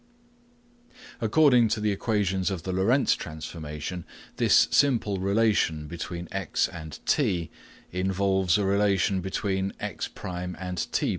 According to the equations of the Lorentz transformation, this simple relation between x and t involves a relation between x1 and t1.